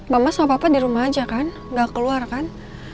mama sama papa dirumah aja kan gak keluar kan